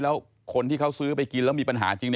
แล้วคนที่เขาซื้อไปกินแล้วมีปัญหาจริง